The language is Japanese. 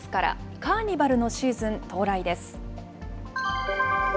カーニバルのシーズン到来です。